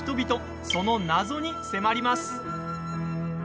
その謎に迫ります！